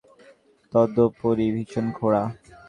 তদুপরি ভীষণ খোঁড়া।